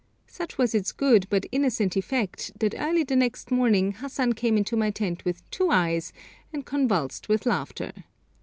Such was its good but innocent effect, that early the next morning Hassan came into my tent with two eyes, and convulsed with laughter.